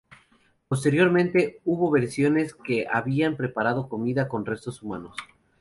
Posteriormente hubo versiones de que habían preparado comida con restos humanos.